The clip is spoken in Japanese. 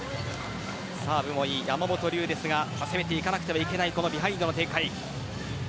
サーブもいい山本龍ですが攻めていかなければいけないビハインドの展開。